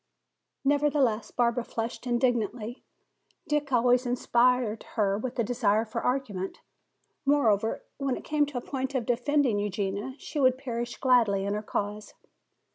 Nevertheless, Barbara flushed indignantly. Dick always inspired her with a desire for argument. Moreover, when it came to a point of defending Eugenia, she would perish gladly in her cause.